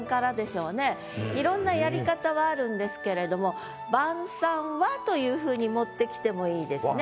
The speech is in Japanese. いろんなやり方はあるんですけれども「晩餐は」というふうに持ってきてもいいですね。